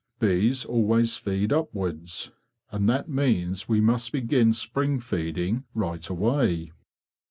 Bees always feed upwards, and that means we must begin spring feeding right away."